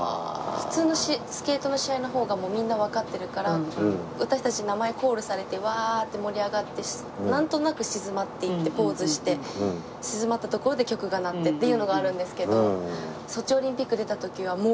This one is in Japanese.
普通のスケートの試合の方がみんなわかってるから私たち名前コールされて「わあ！」って盛り上がってなんとなく静まっていってポーズして静まったところで曲が鳴ってっていうのがあるんですけど。